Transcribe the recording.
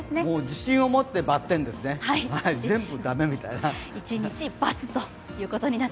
自信を持ってバッテンですね、全部駄目みたいな。